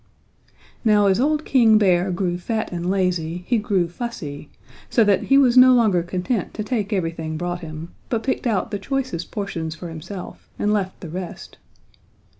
"Now as old King Bear grew fat and lazy he grew fussy, so that he was no longer content to take everything brought him, but picked out the choicest portions for himself and left the rest.